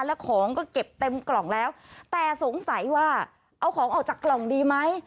แล้วของก็เก็บเต็มกล่องแล้วแต่สงสัยว่าเอาของออกจากกล่องดีไหม